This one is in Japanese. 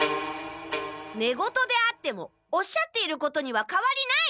ねごとであってもおっしゃっていることにはかわりない！